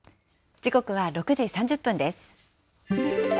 時刻は６時３０分です。